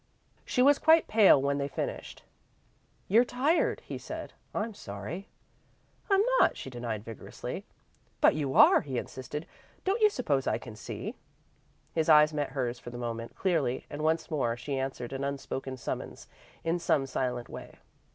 She was quite pale when they finished. "You're tired," he said. "I'm sorry." "I'm not," she denied, vigorously. "But you are," he insisted. "Don't you suppose I can see?" His eyes met hers for the moment, clearly, and, once more, she answered an unspoken summons in some silent way.